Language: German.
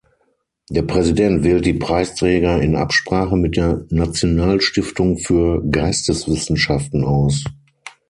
Der Präsident wählt die Preisträger in Absprache mit der Nationalstiftung für Geisteswissenschaften aus.